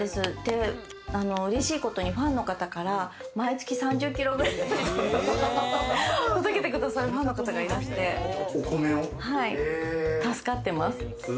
うれしいことにファンの方から毎月３０キロくらい届けて下さるファンの方がいらして、助かってます。